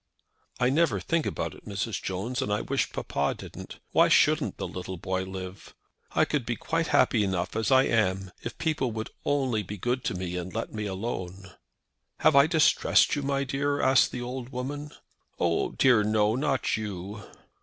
"I never think about it, Mrs. Jones; and I wish papa didn't. Why shouldn't the little boy live? I could be quite happy enough as I am if people would only be good to me and let me alone." "Have I distressed you?" asked the old woman. "Oh, dear no; not you."